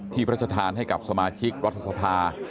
พระราชทานให้กับสมาชิกรัฐสภา